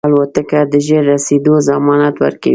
الوتکه د ژر رسېدو ضمانت ورکوي.